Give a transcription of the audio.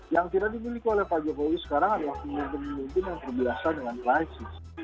yang tidak dimiliki oleh pak jokowi sekarang adalah pemimpin pemimpin yang terbiasa dengan krisis